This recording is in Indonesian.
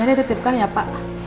hpnya ditetipkan ya pak